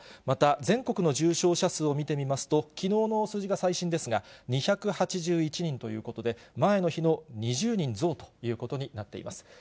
また、全国の重症者数を見てみますと、きのうの数字が最新ですが、２８１人ということで、前の日の２０人増ということになっています。